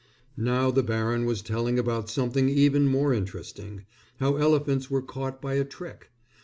Now the baron was telling about something even more interesting, how elephants were caught by a trick.